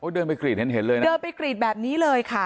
เดินไปกรีดเห็นเห็นเลยนะเดินไปกรีดแบบนี้เลยค่ะ